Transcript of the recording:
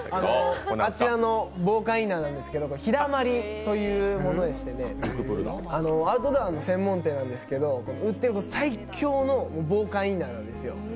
あちらの防寒インナーなんですけど、ひだまりというものでして、アウトドアの専門店なんですけど最強の防寒インナーなんですよ。